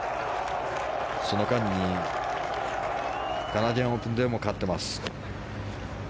その間にカナディアンオープンでも勝っています。